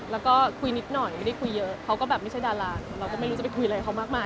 แล้วก็คุยนิดหน่อยไม่ได้คุยเยอะเขาก็แบบไม่ใช่ดาราเราก็ไม่รู้จะไปคุยอะไรเขามากมาย